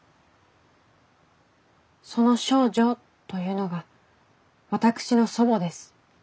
その少女というのが私の祖母です。